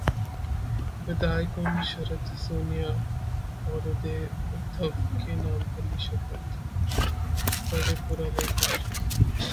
विधायकों ने शरद, सोनिया और उद्धव के नाम पर ली शपथ, पढ़ें पूरा लेटर